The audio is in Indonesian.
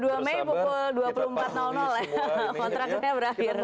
jadi dua puluh dua mei pukul dua puluh empat ya kontraknya berakhir